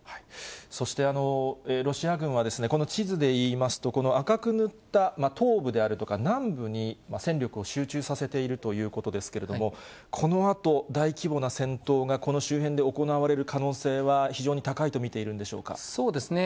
そしてロシア軍は、この地図でいいますと、この赤く塗った東部であるとか、南部に戦力を集中させているということですけれども、このあと、大規模な戦闘がこの周辺で行われる可能性は非常に高いと見ているそうですね。